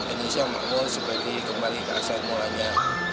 indonesia makmur sebagai kembali ke asal mulanya